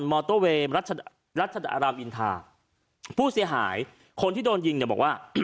มอเตอร์เวย์รัชรัชดารามอินทาผู้เสียหายคนที่โดนยิงเนี่ยบอกว่า